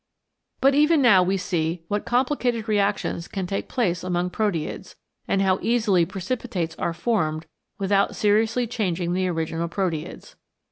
But even now we see what complicated reactions can take place among proteids, and how easily precipitates are formed without seriously changing the original proteids.